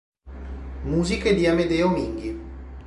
Musiche di Amedeo Minghi.